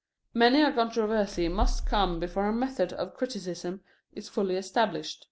Many a controversy must come before a method of criticism is fully established.